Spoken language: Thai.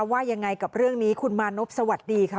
ว่ายังไงกับเรื่องนี้คุณมานพสวัสดีค่ะ